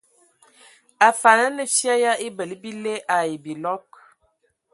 Afan a nə fyƐ ya ebələ bile ai bilɔg.